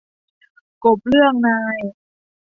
กบเลือกนาย